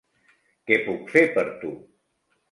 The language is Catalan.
Què puc fer per tu?